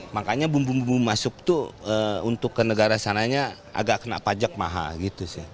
makanya bumbu bumbu masuk itu untuk ke negara sananya agak kena pajak mahal gitu sih